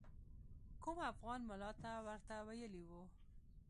کوم افغان ملا ورته ویلي وو.